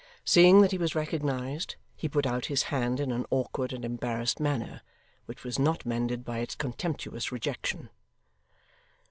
Seeing that he was recognised, he put out his hand in an awkward and embarrassed manner, which was not mended by its contemptuous rejection.